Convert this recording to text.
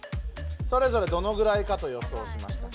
それぞれどのぐらいかと予想しましたか？